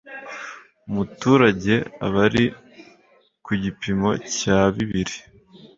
umuturage abari ku gipimo cya bibiri